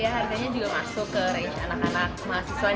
harganya juga masuk ke range anak anak mahasiswa